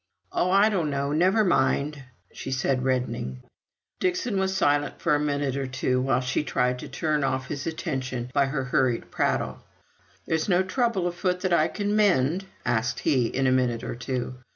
"Oh, I don't know! Never mind," said she, reddening. Dixon was silent for a minute or two, while she tried to turn off his attention by her hurried prattle. "There's no trouble afoot that I can mend?" asked he, in a minute or two.